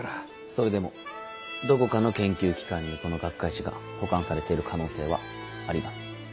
それでもどこかの研究機関にこの学会誌が保管されている可能性はあります。